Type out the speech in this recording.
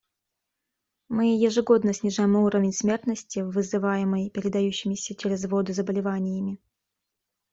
Мы ежегодно снижаем уровень смертности, вызываемой передающимися через воду заболеваниями.